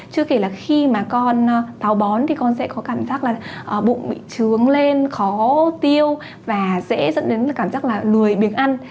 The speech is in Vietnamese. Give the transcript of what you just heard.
chưa kể là khi mà con táo bón thì con sẽ có cảm giác là bụng bị trướng lên khó tiêu và sẽ dẫn đến cảm giác là lười biếng ăn